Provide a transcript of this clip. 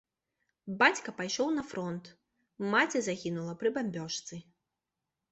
Бацька пайшоў на фронт, маці загінула пры бамбёжцы.